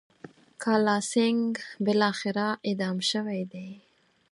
کالاسینګهـ بالاخره اعدام شوی دی.